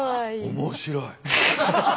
面白い。